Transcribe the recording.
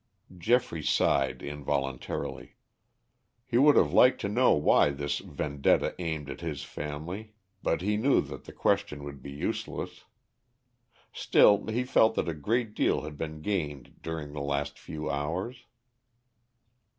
Geoffrey sighed involuntarily. He would have liked to know why this vendetta aimed at his family, but he knew that the question would be useless. Still, he felt that a great deal had been gained during the last few hours.